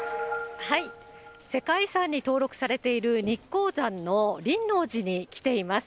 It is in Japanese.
世界遺産に登録されている、日光山の輪王寺に来ています。